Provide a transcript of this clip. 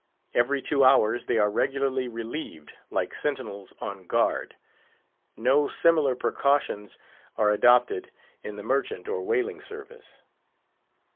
Every two hours they are regularly relieved, like sentinels on guard. No similar precautions are adopted in the merchant or whaling service.